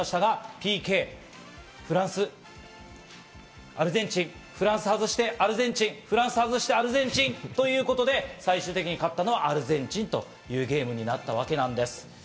ＰＫ、フランス、アルゼンチン、フランス外してアルゼンチン、フランス外してアルゼンチンということで最終的に勝ったのはアルゼンチンというゲームになったわけなんです。